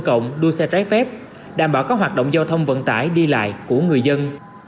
cộng đua xe trái phép đảm bảo các hoạt động giao thông vận tải đi lại của người dân